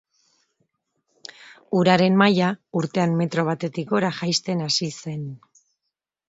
Uraren maila urtean metro batetik gora jaisten hasi zen.